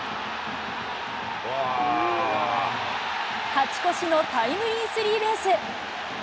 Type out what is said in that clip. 勝ち越しのタイムリースリーベース。